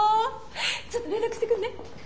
ちょっと連絡してくるね。